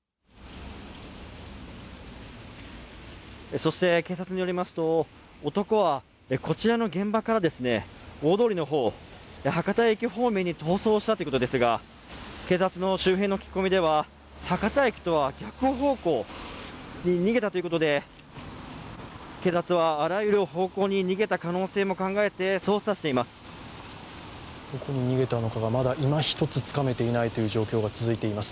そして警察によりますと、男はこちらの現場から大通りの方、博多駅方面に逃走したということですが、警察の周辺の聞き込みでは博多駅とは逆方向に逃げたということで警察はあらゆる方向に逃げた可能性も考えて捜査しています。